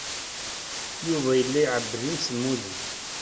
Yuba yella iɛebbed imsemmuden.